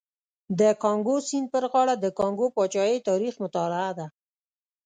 د کانګو سیند پر غاړه د کانګو پاچاهۍ تاریخ مطالعه ده.